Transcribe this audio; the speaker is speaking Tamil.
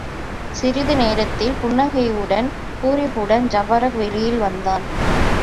சிறிது நேரத்தில், புன்னகையுடனும் பூரிப்புடனும் ஜபாரக் வெளியில் வந்தான்.